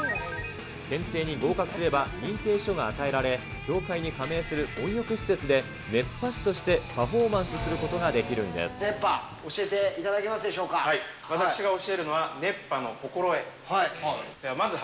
検定に合格すれば認定証が与えられ、協会に加盟する温浴施設で熱波師としてパフォーマンスすることが熱波、教えていただけますで私が教えるのは、熱波の心得。